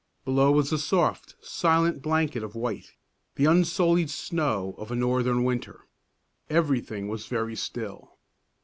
Below was a soft, silent blanket of white the unsullied snow of a northern winter. Everything was very still.